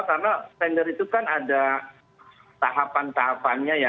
karena tender itu kan ada tahapan tahapannya ya